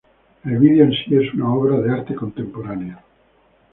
El vídeo en sí es una obra de arte contemporánea.